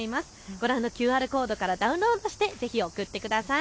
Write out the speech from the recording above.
ご覧のＱＲコードからダウンロードしてぜひ送ってください。